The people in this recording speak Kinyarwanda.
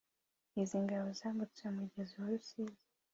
izi ngabo zambutse umugezi wa Rusizi